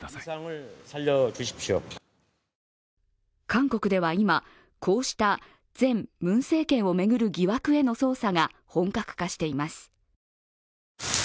韓国では今、こうした前ムン政権を巡る疑惑への捜査が本格化しています。